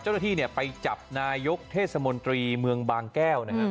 เจ้าหน้าที่ไปจับนายกเทศมนตรีเมืองบางแก้วนะครับ